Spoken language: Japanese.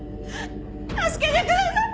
助けてください！